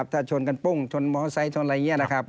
ถ้าชนกันปุ้งชนมอไซค์ชนอะไรอย่างนี้นะครับ